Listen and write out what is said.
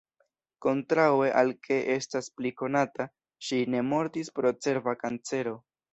Kontraŭe al ke estas pli konata, ŝi ne mortis pro cerba kancero.